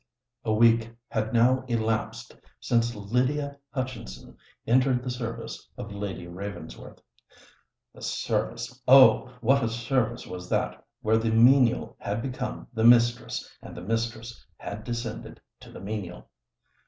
A week had now elapsed since Lydia Hutchinson entered the service of Lady Ravensworth. The service! Oh! what a service was that where the menial had become the mistress, and the mistress had descended to the menial.